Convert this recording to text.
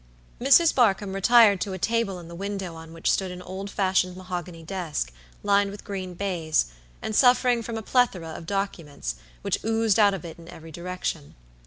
Mrs. Barkamb retired to a table in the window on which stood an old fashioned mahogany desk, lined with green baize, and suffering from a plethora of documents, which oozed out of it in every direction.